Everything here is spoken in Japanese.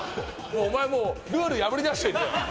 お前もうルール破りだしてんじゃん。